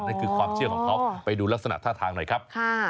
นั่นคือความเชื่อของเขาไปดูลักษณะท่าทางหน่อยครับ